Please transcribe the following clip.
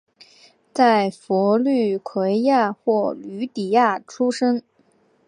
在佛律癸亚或吕底亚出生。